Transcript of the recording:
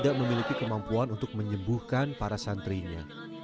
tidak memiliki kemampuan untuk menyembuhkan para santrinya